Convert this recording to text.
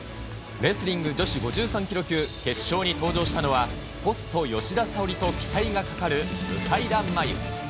レスリング女子５３キロ級決勝に登場したのは、ポスト吉田沙保里と期待がかかる向田真優。